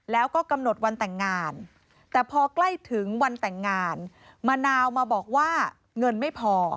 แล้วก็กำหนดวันแต่งงานแต่พอใกล้ถึงวันแต่งงานมะนาวมาบอกว่าเงินไม่พอ